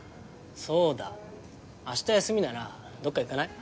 そうだ明日休みならどっか行かない？